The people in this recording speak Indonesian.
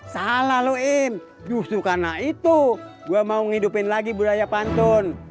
salah lu im justru karena itu gua mau ngidupin lagi budaya pantun